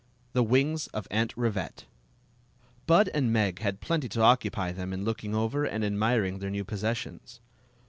THE WINGS OF AUNT RIVETTE. Bud and Meg had plenty to occupy them in look ing over and admiring their new possessions.